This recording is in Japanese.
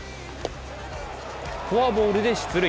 フォアボールで出塁。